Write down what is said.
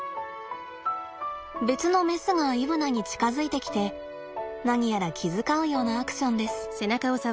別のメスがイブナに近づいてきて何やら気遣うようなアクションです。